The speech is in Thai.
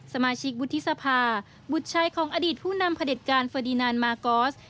สมาชิกบุธษภาบุษชายของอดีตผู้นำเผด็จการเฟอร์ดีนานมาร์กอส